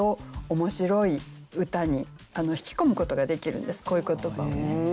面白い歌に引き込むことができるんですこういう言葉はね。